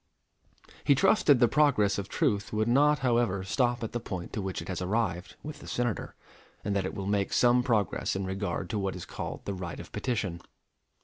He trusted the progress of truth would not, however, stop at the point to which it has arrived with the Senator, and that it will make some progress in regard to what is called the right of petition.